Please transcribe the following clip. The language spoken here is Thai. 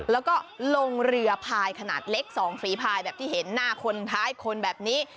แล้วก็ลงเรือพายขนาดเล็ก๒ฝีพายแบบที่เห็นหน้าคนท้ายคนแบบนี้